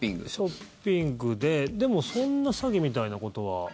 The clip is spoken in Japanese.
ショッピングででもそんな詐欺みたいなことは。